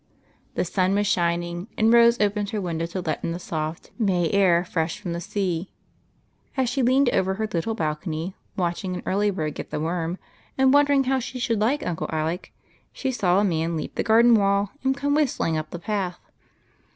The sun was shining, and Rose, opened her window to let in the soft May air fresh from the sea. As she leaned over her little balcony, watching an early bird get the worm, and wondering how she should like Uncle Alec, she saw a man leap the garden wall and come whistling up the path.